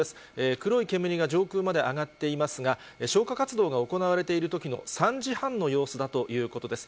黒い煙が上空まで上がっていますが、消火活動が行われているときの３時半の様子だということです。